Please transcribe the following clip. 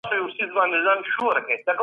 له افراطي موقفونو نیولو څخه په کلکه ډډه وکړئ.